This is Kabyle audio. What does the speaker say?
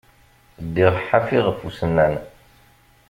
Ddiɣ ḥafi ɣef usennan.